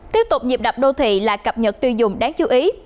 tiếp tục nhịp đập đô thị là cập nhật tiêu dùng đáng chú ý